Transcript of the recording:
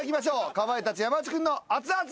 かまいたち山内君の。